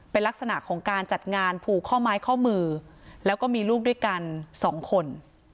เป็นลักษณะของการจัดงานผูกข้อไม้ข้อมือแล้วก็มีลูกด้วยกันสองคน